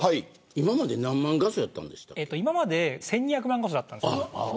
今まで何万画素今まで１２００万画素だったんです。